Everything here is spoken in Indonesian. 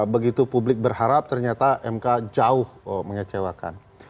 begitu publik berharap ternyata mk jauh mengecewakan